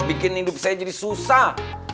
bikin induk saya jadi susah